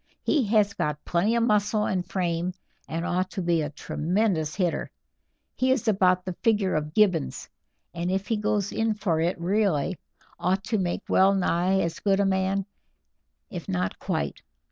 "He has got plenty of muscle and frame, and ought to be a tremendous hitter; he is about the figure of Gibbons, and if he goes in for it really, ought to make well nigh as good a man, if not quite.